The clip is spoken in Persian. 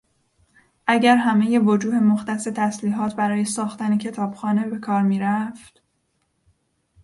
اگر همهی وجوهمختص تسلیحات برای ساختن کتابخانه بهکار میرفت...